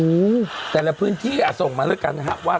แต่ละพื้นที่อ่ะส่งมาแล้วกันนะครับว่า